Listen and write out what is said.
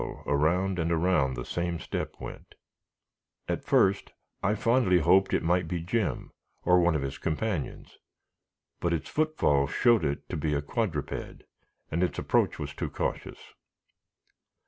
Still around and around the same step went. At first I fondly hoped it might be Jim, or one of his companions, but its footfall showed it to be a quadruped, and its approach was too cautious.